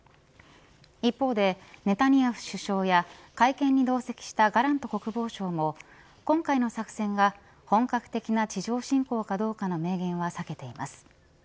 一方で、ネタニヤフ首相や会見に同席したガラント国防相も今回の作戦が本格的な地上侵攻かどうかの明言は避けています。